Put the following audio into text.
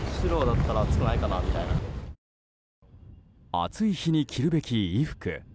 暑い日に着るべき衣服。